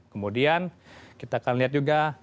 kemudian kita akan lihat juga